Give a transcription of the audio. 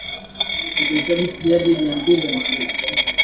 Utahitaji siagi gram mia mbili hamsini